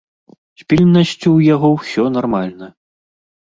З пільнасцю ў яго ўсё нармальна.